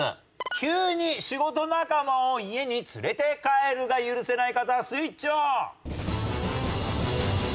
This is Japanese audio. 急に仕事仲間を家に連れて帰るが許せない方はスイッチオン！